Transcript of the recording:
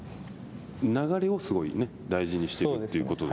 流れをすごい大事にしてるということですね。